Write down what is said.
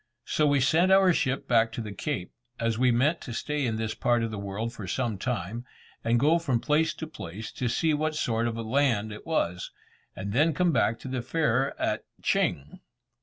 So we sent our ship back to the Cape, as we meant to stay in this part of the world for some time, and go from place to place to see what sort of a land it was, and then come back to the fair at Ching.